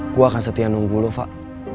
gue akan setia nunggu lo fak